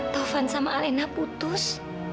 taufan sama alena putus